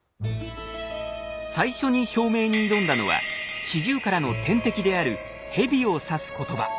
最初に証明に挑んだのはシジュウカラの天敵であるヘビを指す言葉。